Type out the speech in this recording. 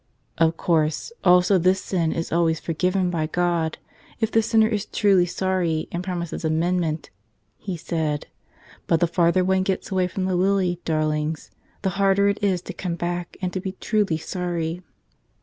"Of course, also this sin is always for¬ given by God if the sinner is truly sorry and prom¬ ises amendment," he said. "But the farther one gets away from the lily, darlings, the harder it is to come back and to be truly sorry.